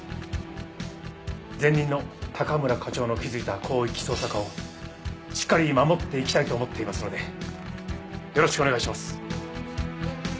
前任の高村課長の築いた広域捜査課をしっかり守っていきたいと思っていますのでよろしくお願いします。